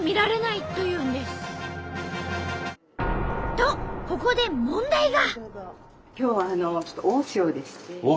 とここで問題が。